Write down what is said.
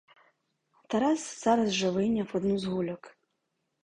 Тарас зараз же вийняв одну з гульок.